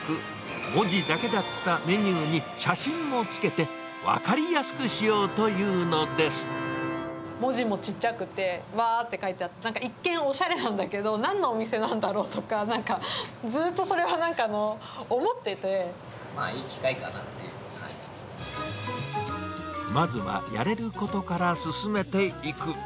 文字だけだったメニューに、写真もつけて、文字もちっちゃくて、わーって書いてあって、なんか一見おしゃれなんだけど、なんのお店なんだろうとか、なんか、いい機会かなっていうのがあまずはやれることから進めていく。